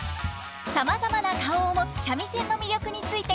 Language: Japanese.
さまざまな顔を持つ三味線の魅力について語ります。